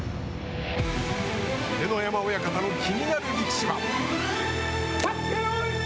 秀ノ山親方の気になる力士は？